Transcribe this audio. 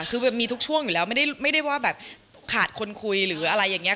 คือมีทุกช่วงอยู่แล้วไม่ได้ว่าแบบขาดคนคุยหรืออะไรอย่างนี้